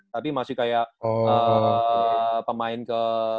tapi masih kayak pemain ke